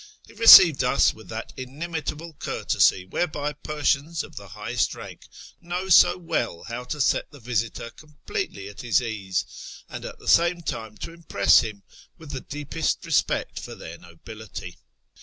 He received us with that inimitable courtesy whereby Persians of the highest rank know so well how to set the visitor completely at his ease, and at the same time to impress him with the deepest respect for their nobility.